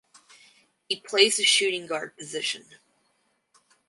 He plays the shooting guard position.